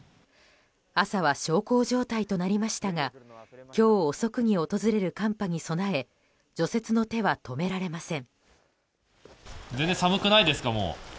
朝は小康状態となりましたが今日遅くに訪れる寒波に備え除雪の手は止められません。